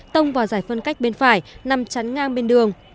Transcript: tông vào giải phân cách bên phải nằm chắn ngang bên đường